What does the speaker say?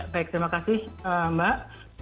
baik terima kasih mbak